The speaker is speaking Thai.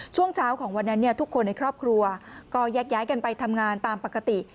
ช่วงเช้าของวันนั้นทุกคนในครอบครัวก็แยกย้ายกันไปทำงานตามปกติ